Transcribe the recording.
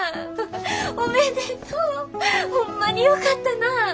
おめでとう！ホンマによかったなぁ！